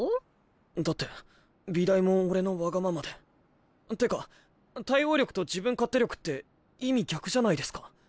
だって美大も俺のわがままで。ってか対応力と自分勝手力って意味逆じゃないですか？